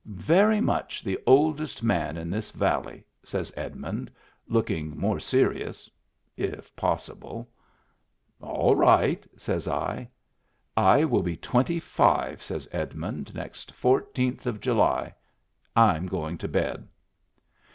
"Very much the oldest man in this valley," says Edmund, lookin' more serious — if possible. " All right," says I. "I will be twenty five," says Edmund, "next fourteenth of July. I'm going to bed."